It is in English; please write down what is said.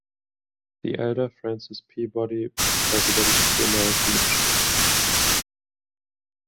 The elder Francis Peabody was president of the American Insurance Company.